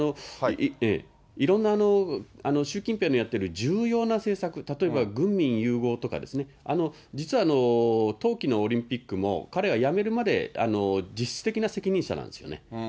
いろんな習近平のやっている重要な政策、例えば軍民融合とか、実は冬季のオリンピックも、彼は辞めるまで実質的な責任者なんですよね。